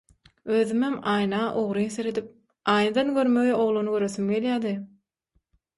özümem aýna ogryn serdip, aýnadan görmegeý oglany göresim gelýärdi...